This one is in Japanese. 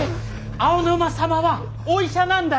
青沼様はお医者なんだよ！